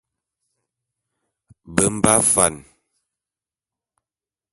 Be mbe afan.